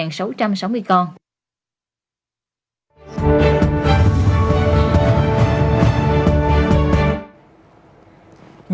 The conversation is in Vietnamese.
nhiệm sống của bệnh nhân